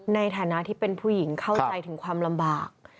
ในฐานะที่เป็นผู้หญิงเข้าใจถึงความลำบาก